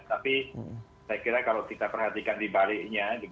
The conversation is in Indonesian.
tapi saya kira kalau kita perhatikan di baliknya